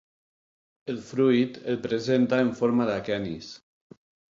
El fruit el presenta en forma d'aquenis.